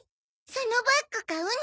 そのバッグ買うの？